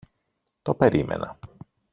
Το περίμενα.